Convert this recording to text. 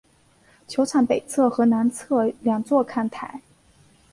球场有北侧和南侧两座看台。